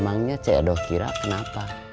emangnya seyado kira kenapa